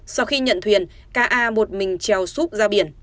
sau khi nhận thuyền ka một mình treo súp ra biển